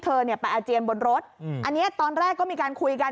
ไปอาเจียนบนรถอันนี้ตอนแรกก็มีการคุยกัน